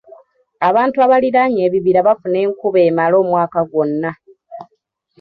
Abantu abaliraanye ebibira bafuna enkuba emala omwaka gwonna.